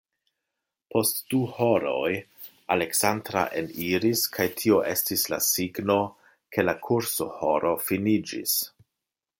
Post du horoj Aleksandra eniris kaj tio estis la signo, ke la kursohoro finiĝis.